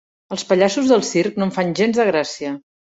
Els pallassos del circ no em fan gens de gràcia.